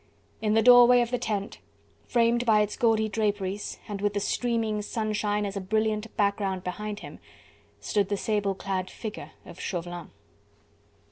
In the doorway of the tent, framed by its gaudy draperies, and with the streaming sunshine as a brilliant background behind him, stood the sable clad figure of Chauvelin.